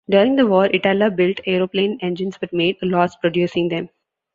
During the war Itala built aeroplane engines but made a loss producing them.